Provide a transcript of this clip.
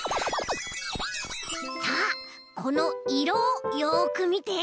さあこのいろをよくみて。